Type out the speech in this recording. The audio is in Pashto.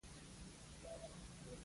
خلک تاسو لیدلای شي او پر مانا یې پوهیږي.